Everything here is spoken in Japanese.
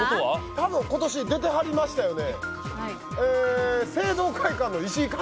多分、今年出てはりましたよね。